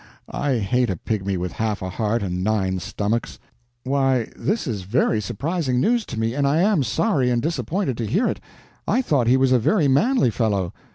I hate a pygmy with half a heart and nine stomachs!" "Why, this is very surprising news to me, and I am sorry and disappointed to hear it. I thought he was a very manly fellow."